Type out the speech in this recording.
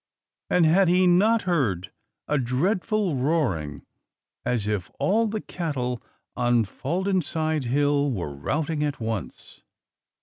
And had he not heard a dreadful roaring, as if all the cattle on Faldonside Hill were routing at once?